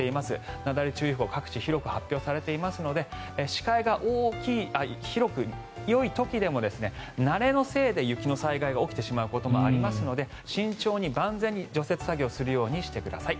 なだれ注意報が各地、広く発表されていますので視界が広い時でも慣れのせいで雪の災害が起きてしまうこともありますので慎重に万全に除雪作業するようにしてください。